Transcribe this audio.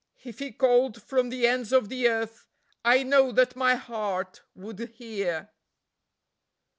If he called from the ends of the earth I know that my heart would hear.